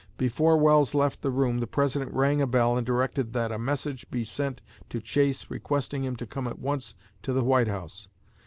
Before Welles left the room, the President rang a bell and directed that a message be sent to Chase requesting him to come at once to the White House.